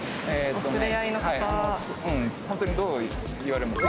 本当にどう言われます？